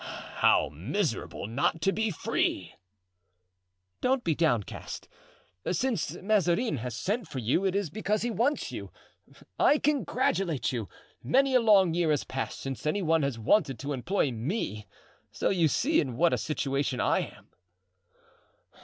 "How miserable not to be free!" "Don't be downcast. Since Mazarin has sent for you, it is because he wants you. I congratulate you! Many a long year has passed since any one has wanted to employ me; so you see in what a situation I am."